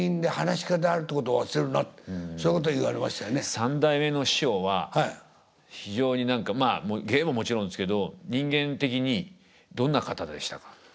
三代目の師匠は非常に何かまあ芸ももちろんですけど人間的にどんな方でしたか？